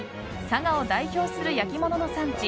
佐賀を代表する焼き物の産地